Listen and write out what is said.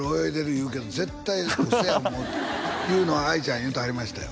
言うけど絶対嘘や思うってというのは愛ちゃん言うてはりましたよ